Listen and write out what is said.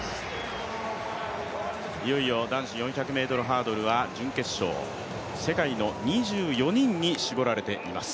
いよいよ男子４００ｍハードルは準決勝世界の２４人に絞られています。